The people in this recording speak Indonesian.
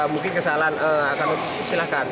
mungkin kesalahan akan disilakan